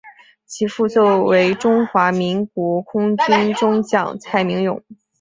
其父为中华民国空军中将蔡名永。